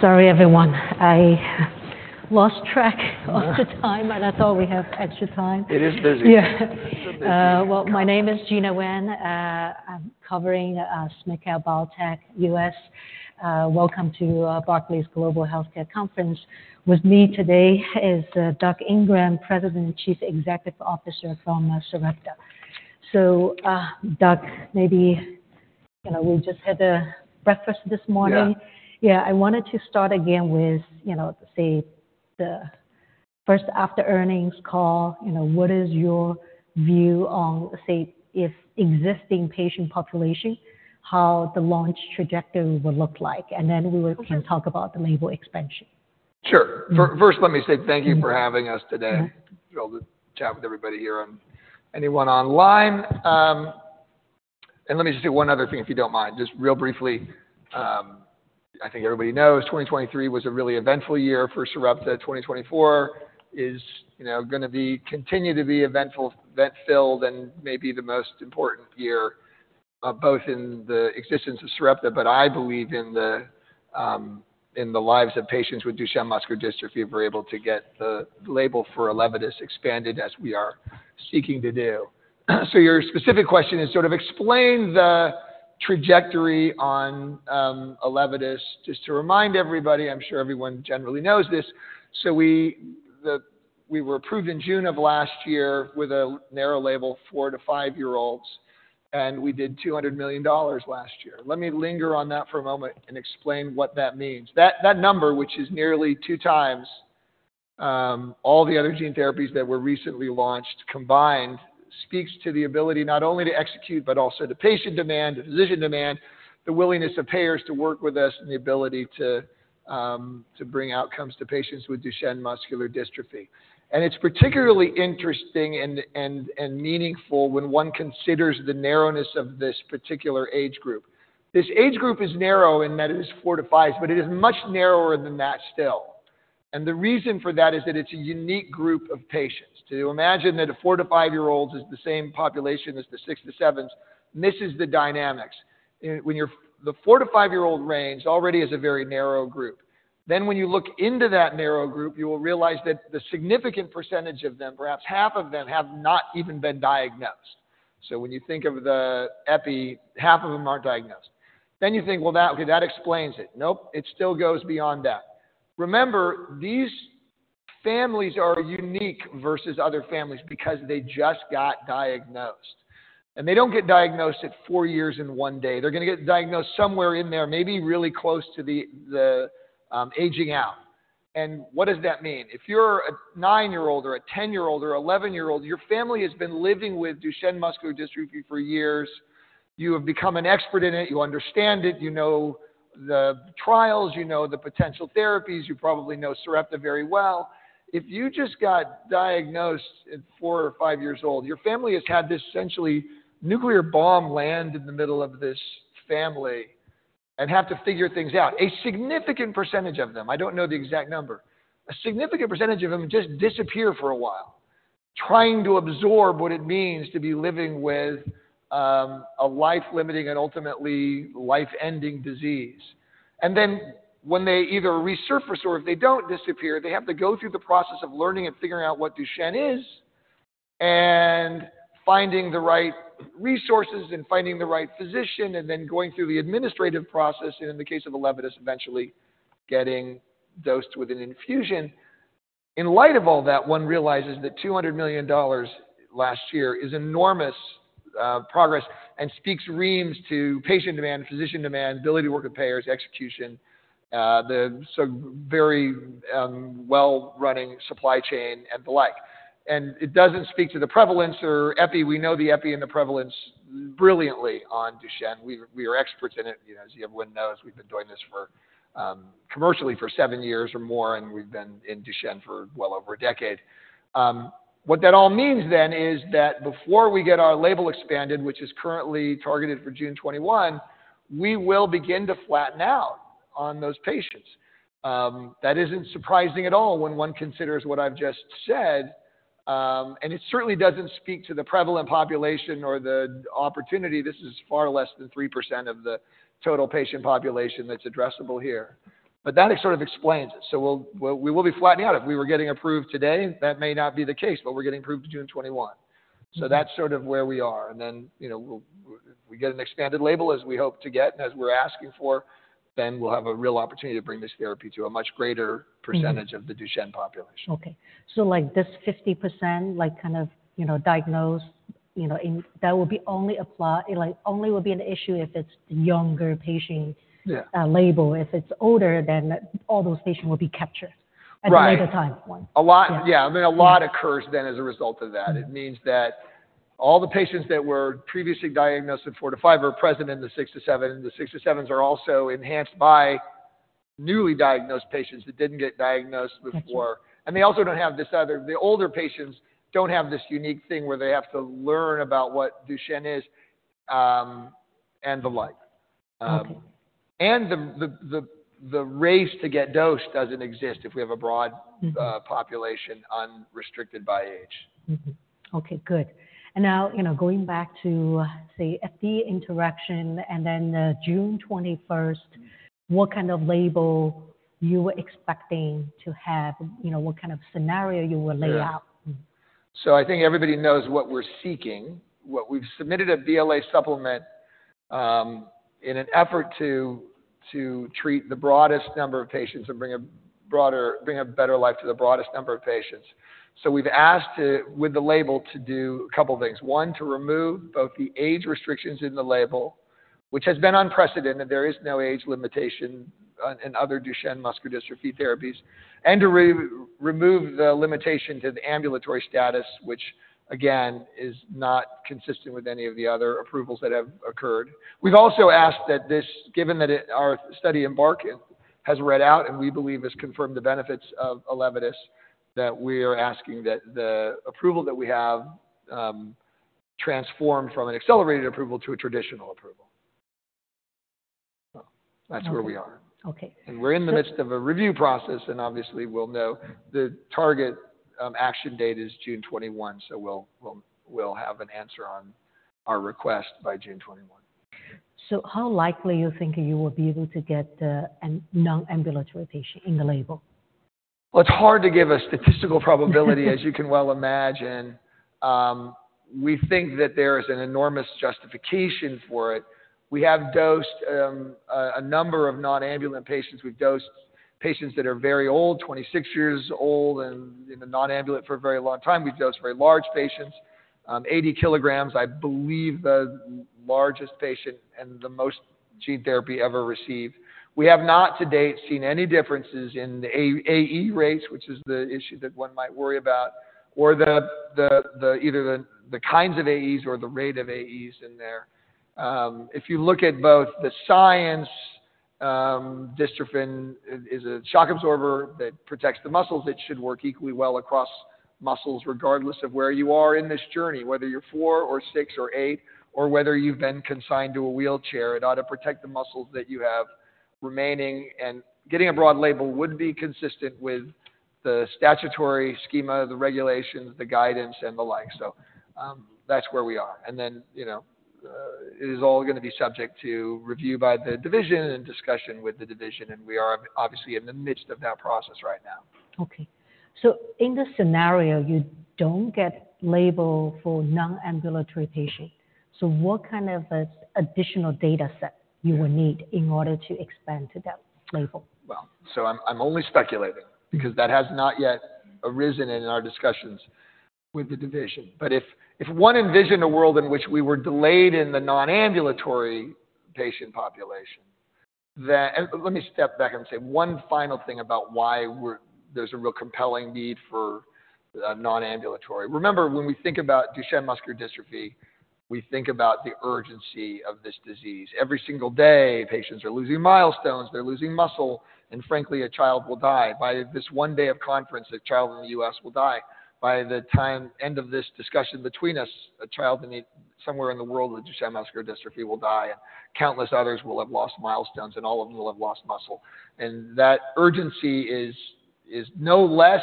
Sorry, everyone. I lost track of the time and I thought we had extra time. It is busy. Yeah. Well, my name is Gena Wang. I'm covering SMID Cap Biotech U.S. Welcome to Barclays Global Healthcare Conference. With me today is Doug Ingram, President and Chief Executive Officer from Sarepta. So, Doug, maybe you know we just had a breakfast this morning. Yeah, I wanted to start again with, you know, say, the first after earnings call. You know, what is your view on, say, if existing patient population, how the launch trajectory would look like. And then we can talk about the label expansion. Sure. First, let me say thank you for having us today. Chat with everybody here and anyone online. Let me just say one other thing, if you don't mind, just real briefly. I think everybody knows 2023 was a really eventful year for Sarepta. 2024 is, you know, going to continue to be eventful, event-filled, and maybe the most important year both in the existence of Sarepta, but I believe in the lives of patients with Duchenne muscular dystrophy if we're able to get the label for ELEVIDYS expanded as we are seeking to do. Your specific question is sort of explain the trajectory on ELEVIDYS. Just to remind everybody, I'm sure everyone generally knows this. We were approved in June of last year with a narrow label, 4- to 5-year-olds, and we did $200 million last year. Let me linger on that for a moment and explain what that means. That number, which is nearly 2 times all the other gene therapies that were recently launched combined, speaks to the ability not only to execute but also to patient demand, to physician demand, the willingness of payers to work with us, and the ability to bring outcomes to patients with Duchenne muscular dystrophy. It's particularly interesting and meaningful when one considers the narrowness of this particular age group. This age group is narrow in that it is 4-5s, but it is much narrower than that still. The reason for that is that it's a unique group of patients. To imagine that a 4-5-year-old is the same population as the 6-7s misses the dynamics. When you're the 4-5-year-old range already is a very narrow group. Then when you look into that narrow group, you will realize that the significant percentage of them, perhaps half of them, have not even been diagnosed. So when you think of the EPI, half of them aren't diagnosed. Then you think, well, that explains it. Nope, it still goes beyond that. Remember, these families are unique versus other families because they just got diagnosed. They don't get diagnosed at 4 years and 1 day. They're going to get diagnosed somewhere in there, maybe really close to the aging out. What does that mean? If you're a 9-year-old or a 10-year-old or an 11-year-old, your family has been living with Duchenne muscular dystrophy for years. You have become an expert in it. You understand it. You know the trials. You know the potential therapies. You probably know Sarepta very well. If you just got diagnosed at four or five years old, your family has had this essentially nuclear bomb land in the middle of this family and have to figure things out. A significant percentage of them, I don't know the exact number, a significant percentage of them just disappear for a while trying to absorb what it means to be living with a life-limiting and ultimately life-ending disease. And then when they either resurface or if they don't disappear, they have to go through the process of learning and figuring out what Duchenne is and finding the right resources and finding the right physician and then going through the administrative process and in the case of ELEVIDYS, eventually getting dosed with an infusion. In light of all that, one realizes that $200 million last year is enormous progress and speaks reams to patient demand, physician demand, ability to work with payers, execution, the very well-running supply chain and the like. It doesn't speak to the prevalence or EPI. We know the EPI and the prevalence brilliantly on Duchenne. We are experts in it. You know, as you know, we've been doing this commercially for seven years or more, and we've been in Duchenne for well over a decade. What that all means then is that before we get our label expanded, which is currently targeted for June 21, we will begin to flatten out on those patients. That isn't surprising at all when one considers what I've just said. It certainly doesn't speak to the prevalent population or the opportunity. This is far less than 3% of the total patient population that's addressable here. But that sort of explains it. So we will be flattening out. If we were getting approved today, that may not be the case, but we're getting approved to June 21. So that's sort of where we are. And then, you know, if we get an expanded label as we hope to get and as we're asking for, then we'll have a real opportunity to bring this therapy to a much greater percentage of the Duchenne population. Okay. So like this 50% like kind of, you know, diagnosed, you know, that will be only apply like only will be an issue if it's the younger patient label. If it's older, then all those patients will be captured at a later time. Right. A lot. Yeah. I mean, a lot occurs then as a result of that. It means that all the patients that were previously diagnosed at 4-5 are present in the 6-7. And the 6-7s are also enhanced by newly diagnosed patients that didn't get diagnosed before. And they also don't have this either. The older patients don't have this unique thing where they have to learn about what Duchenne is and the like. And the race to get dosed doesn't exist if we have a broad population unrestricted by age. Okay. Good. Now, you know, going back to, say, EPI interaction and then June 21st, what kind of label you were expecting to have, you know, what kind of scenario you would lay out? So I think everybody knows what we're seeking. What we've submitted a BLA supplement in an effort to treat the broadest number of patients and bring a broader, better life to the broadest number of patients. So we've asked with the label to do a couple of things. One, to remove both the age restrictions in the label, which has been unprecedented. There is no age limitation in other Duchenne muscular dystrophy therapies. And to remove the limitation to the ambulatory status, which again is not consistent with any of the other approvals that have occurred. We've also asked that this, given that our study EMBARK has read out and we believe has confirmed the benefits of ELEVIDYS, that we are asking that the approval that we have transform from an accelerated approval to a traditional approval. That's where we are. We're in the midst of a review process. Obviously we'll know the target action date is June 21. We'll have an answer on our request by June 21. How likely do you think you will be able to get a non-ambulatory patient in the label? Well, it's hard to give a stattistical probability, as you can well imagine. We think that there is an enormous justification for it. We have dosed a number of non-ambulant patients. We've dosed patients that are very old, 26 years old, and in the non-ambulant for a very long time. We've dosed very large patients, 80 kg, I believe the largest patient and the most gene therapy ever received. We have not to date seen any differences in the AE rates, which is the issue that one might worry about, or either the kinds of AEs or the rate of AEs in there. If you look at both the science, dystrophin is a shock absorber that protects the muscles. It should work equally well across muscles regardless of where you are in this journey, whether you're 4 or 6 or 8, or whether you've been consigned to a wheelchair. It ought to protect the muscles that you have remaining. And getting a broad label would be consistent with the statutory schema, the regulations, the guidance, and the like. So that's where we are. And then, you know, it is all going to be subject to review by the division and discussion with the division. And we are obviously in the midst of that process right now. Okay. So in the scenario you don't get label for non-ambulatory patient, so what kind of additional data set you would need in order to expand to that label? Well, so I'm only speculating because that has not yet arisen in our discussions with the division. But if one envisioned a world in which we were delayed in the non-ambulatory patient population, then let me step back and say one final thing about why there's a real compelling need for non-ambulatory. Remember, when we think about Duchenne muscular dystrophy, we think about the urgency of this disease. Every single day, patients are losing milestones. They're losing muscle. And frankly, a child will die by this one day of conference. A child in the U.S. will die by the time end of this discussion between us. A child somewhere in the world with Duchenne muscular dystrophy will die. And countless others will have lost milestones. And all of them will have lost muscle. And that urgency is no less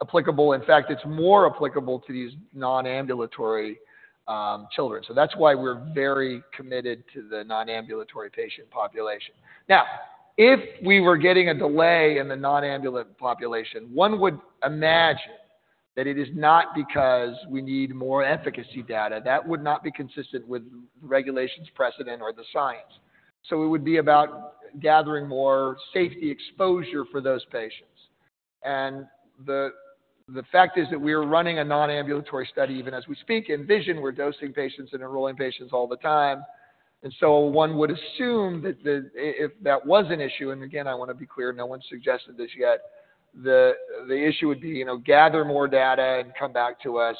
applicable. In fact, it's more applicable to these non-ambulatory children. So that's why we're very committed to the non-ambulatory patient population. Now, if we were getting a delay in the non-ambulatory population, one would imagine that it is not because we need more efficacy data. That would not be consistent with the regulatory precedent or the science. So it would be about gathering more safety exposure for those patients. And the fact is that we are running a non-ambulatory study even as we speak. In ENVISION, we're dosing patients and enrolling patients all the time. And so one would assume that if that was an issue, and again, I want to be clear, no one suggested this yet, the issue would be, you know, gather more data and come back to us,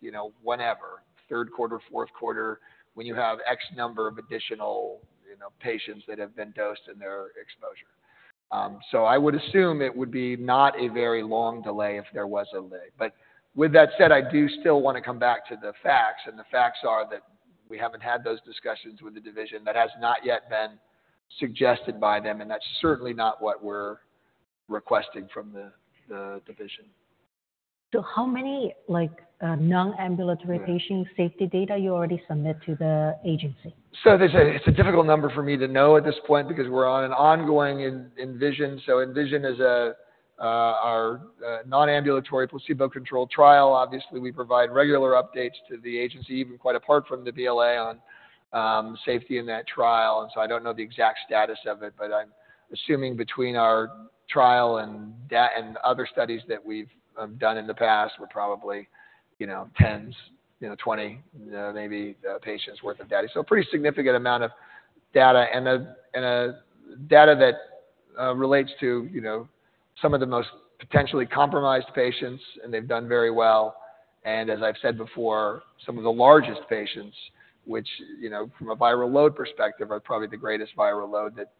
you know, whenever, third quarter, fourth quarter, when you have X number of additional, you know, patients that have been dosed and their exposure. I would assume it would be not a very long delay if there was a delay. With that said, I do still want to come back to the facts. The facts are that we haven't had those discussions with the division. That has not yet been suggested by them. That's certainly not what we're requesting from the division. How many like non-ambulatory patient safety data you already submit to the agency? It's a difficult number for me to know at this point because we're on an ongoing ENVISION. So ENVISION is our non-ambulatory placebo control trial. Obviously, we provide regular updates to the agency, even quite apart from the BLA on safety in that trial. And so I don't know the exact status of it, but I'm assuming between our trial and other studies that we've done in the past, we're probably, you know, tens, you know, 20 maybe patients' worth of data. So a pretty significant amount of data and data that relates to, you know, some of the most potentially compromised patients. And they've done very well. And as I've said before, some of the largest patients, which, you know, from a viral load perspective, are probably the greatest viral load that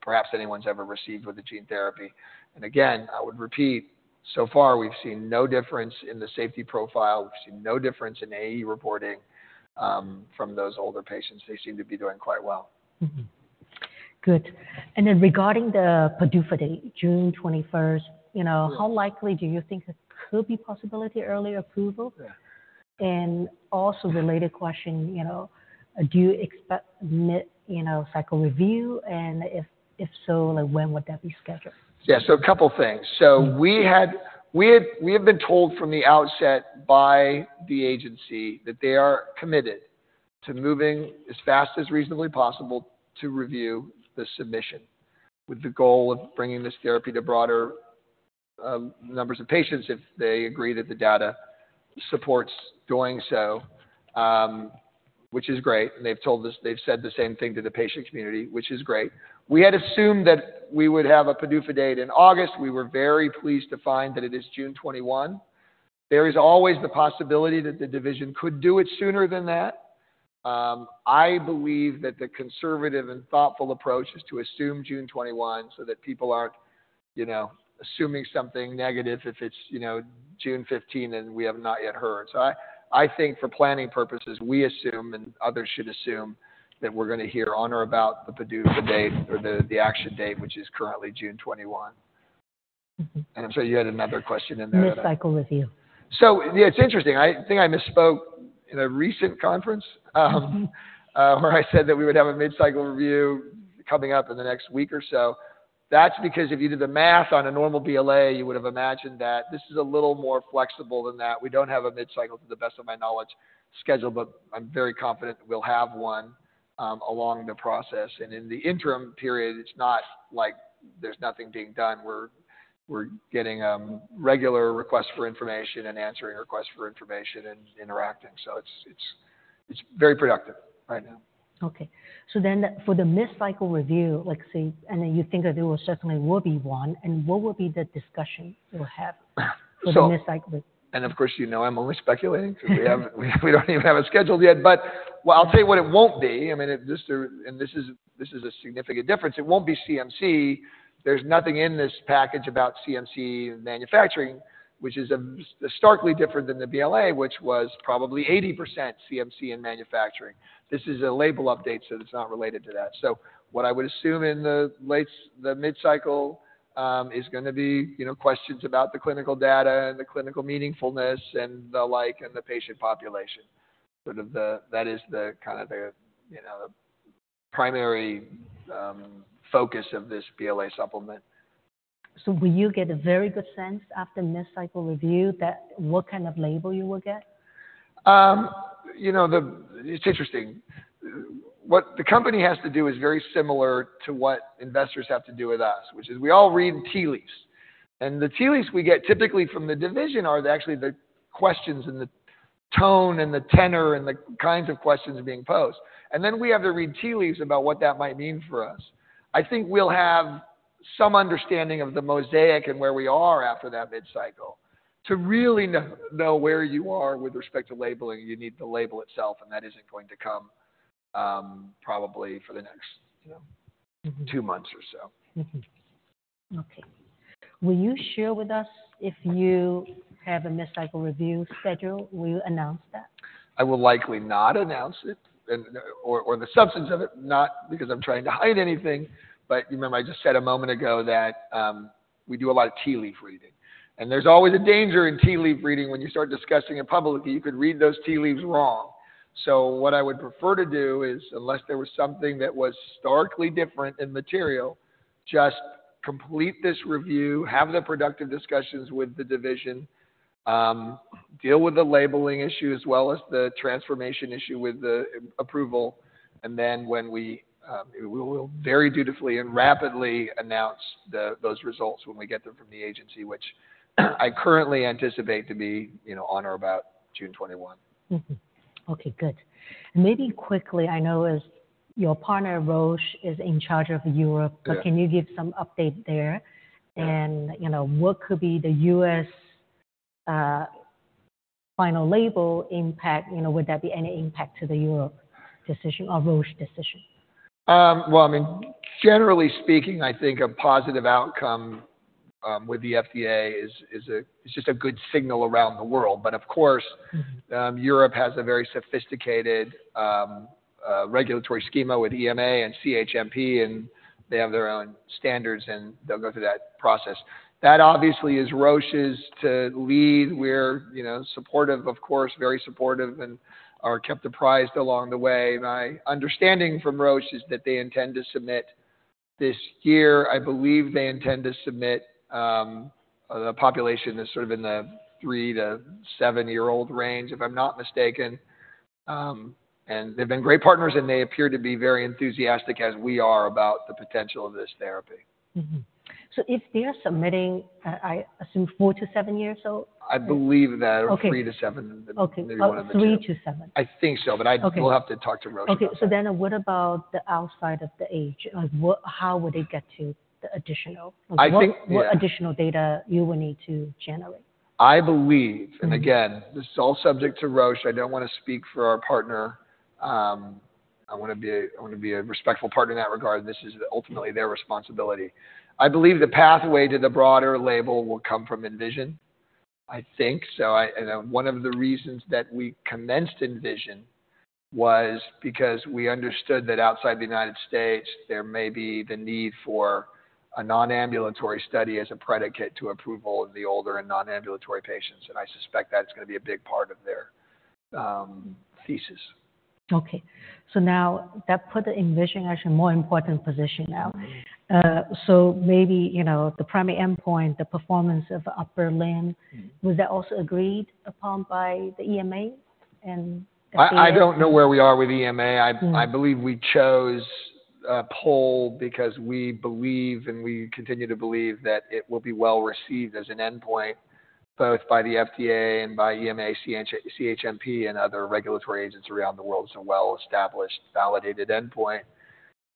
perhaps anyone's ever received with the gene therapy. And again, I would repeat, so far we've seen no difference in the safety profile. We've seen no difference in AE reporting from those older patients. They seem to be doing quite well. Good. And then regarding the PDUFA for the June 21st, you know, how likely do you think it could be a possibility early approval? And also related question, you know, do you expect mid-cycle review? And if so, like when would that be scheduled? Yeah. So a couple of things. So we have been told from the outset by the agency that they are committed to moving as fast as reasonably possible to review the submission with the goal of bringing this therapy to broader numbers of patients if they agree that the data supports doing so, which is great. And they've told us they've said the same thing to the patient community, which is great. We had assumed that we would have a PDUFA date in August. We were very pleased to find that it is June 21. There is always the possibility that the division could do it sooner than that. I believe that the conservative and thoughtful approach is to assume June 21 so that people aren't, you know, assuming something negative if it's, you know, June 15 and we have not yet heard. So I think for planning purposes, we assume and others should assume that we're going to hear on or about the PDUFA date or the action date, which is currently June 21. And I'm sorry, you had another question in there. Mid-cycle review. So it's interesting. I think I misspoke in a recent conference where I said that we would have a mid-cycle review coming up in the next week or so. That's because if you did the math on a normal BLA, you would have imagined that this is a little more flexible than that. We don't have a mid-cycle, to the best of my knowledge, schedule, but I'm very confident we'll have one along the process. And in the interim period, it's not like there's nothing being done. We're getting regular requests for information and answering requests for information and interacting. So it's very productive right now. Okay. So then for the mid-cycle review, like, say, and then you think that there will certainly be one. And what will be the discussion you'll have for the mid-cycle? Of course, you know, I'm only speculating because we don't even have it scheduled yet. But I'll tell you what it won't be. I mean, just to and this is a significant difference. It won't be CMC. There's nothing in this package about CMC manufacturing, which is starkly different than the BLA, which was probably 80% CMC in manufacturing. This is a label update so it's not related to that. So what I would assume in the mid-cycle is going to be, you know, questions about the clinical data and the clinical meaningfulness and the like and the patient population. Sort of that is the kind of the, you know, primary focus of this BLA supplement. Will you get a very good sense after mid-cycle review that what kind of label you will get? You know, it's interesting. What the company has to do is very similar to what investors have to do with us, which is we all read tea leaves. And the tea leaves we get typically from the division are actually the questions and the tone and the tenor and the kinds of questions being posed. And then we have to read tea leaves about what that might mean for us. I think we'll have some understanding of the mosaic and where we are after that mid-cycle to really know where you are with respect to labeling. You need the label itself. And that isn't going to come probably for the next, you know, two months or so. Okay. Will you share with us if you have a mid-cycle review schedule? Will you announce that? I will likely not announce it or the substance of it, not because I'm trying to hide anything. But you remember I just said a moment ago that we do a lot of tea leaf reading. And there's always a danger in tea leaf reading when you start discussing it publicly. You could read those tea leaves wrong. So what I would prefer to do is unless there was something that was materially different, just complete this review, have the productive discussions with the division, deal with the labeling issue as well as the transformation issue with the approval. And then when we will very dutifully and rapidly announce those results when we get them from the agency, which I currently anticipate to be, you know, on or about June 21. Okay. Good. And maybe quickly, I know as your partner Roche is in charge of Europe, but can you give some update there? And, you know, what could be the U.S. final label impact, you know, would that be any impact to the Europe decision or Roche decision? Well, I mean, generally speaking, I think a positive outcome with the FDA is just a good signal around the world. But of course, Europe has a very sophisticated regulatory schema with EMA and CHMP. And they have their own standards. And they'll go through that process. That obviously is Roche's to lead. We're, you know, supportive, of course, very supportive and are kept apprised along the way. My understanding from Roche is that they intend to submit this year. I believe they intend to submit the population is sort of in the three- to seven-year-old range, if I'm not mistaken. And they've been great partners. And they appear to be very enthusiastic as we are about the potential of this therapy. If they are submitting, I assume 4-7 years or so? I believe that 3-7. Okay. 3-7. I think so. But we'll have to talk to Roche. Okay. So then what about the outside of the age? Like how would they get to the additional? What additional data you would need to generate? I believe, and again, this is all subject to Roche. I don't want to speak for our partner. I want to be a respectful partner in that regard. This is ultimately their responsibility. I believe the pathway to the broader label will come from ENVISION, I think. So one of the reasons that we commenced ENVISION was because we understood that outside the United States, there may be the need for a non-ambulatory study as a predicate to approval of the older and non-ambulatory patients. And I suspect that it's going to be a big part of their thesis. Okay. So now that put ENVISION actually in a more important position now. So maybe, you know, the primary endpoint, the Performance of Upper Limb, was that also agreed upon by the EMA and FDA? I don't know where we are with EMA. I believe we chose a PUL because we believe and we continue to believe that it will be well received as an endpoint both by the FDA and by EMA, CHMP, and other regulatory agents around the world. It's a well-established, validated endpoint.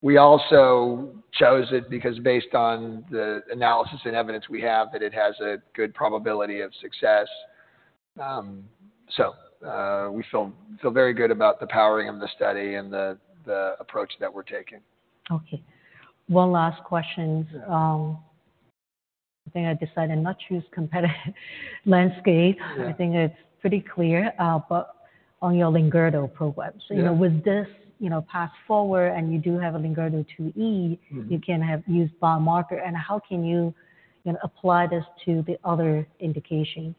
We also chose it because based on the analysis and evidence we have that it has a good probability of success. So we feel very good about the powering of the study and the approach that we're taking. Okay. One last question. I think I decided not to use competitive landscape. I think it's pretty clear. But on your Limb-Girdle program. So, you know, with this, you know, fast forward and you do have a Limb-Girdle 2E, you can have used biomarker. And how can you, you know, apply this to the other indications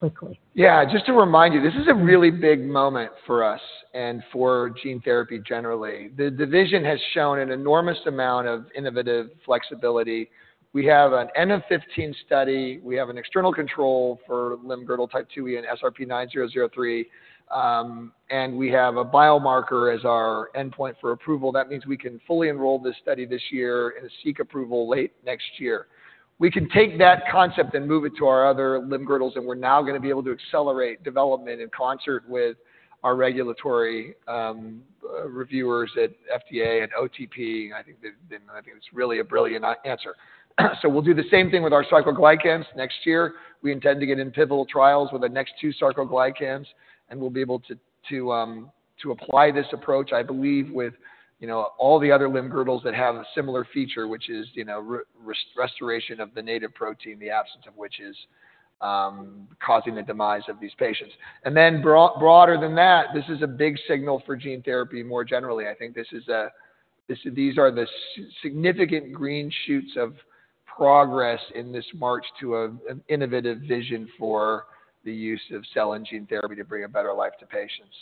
quickly? Yeah. Just to remind you, this is a really big moment for us and for gene therapy generally. The division has shown an enormous amount of innovative flexibility. We have an N=15 study. We have an external controlfor Limb Girdle Type 2E and SRP-9003. And we have a biomarker as our endpoint for approval. That means we can fully enroll this study this year and seek approval late next year. We can take that concept and move it to our other limb-girdles. And we're now going to be able to accelerate development in concert with our regulatory reviewers at FDA and OTP. I think it's really a brilliant answer. So we'll do the same thing with our sarcoglycans next year. We intend to get in pivotal trials with the next two sarcoglycans. We'll be able to apply this approach, I believe, with, you know, all the other limb-girdles that have a similar feature, which is, you know, restoration of the native protein, the absence of which is causing the demise of these patients. Then broader than that, this is a big signal for gene therapy more generally. I think these are the significant green shoots of progress in this march to an innovative vision for the use of cell and gene therapy to bring a better life to patients.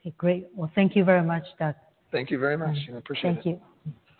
Okay. Great. Well, thank you very much, Doug. Thank you very much. I appreciate it. Thank you.